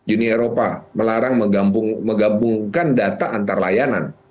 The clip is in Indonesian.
uni eropa melarang menggabungkan data antar layanan